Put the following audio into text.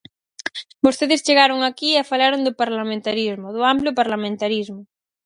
Vostedes chegaron aquí e falaron do parlamentarismo, do amplo parlamentarismo.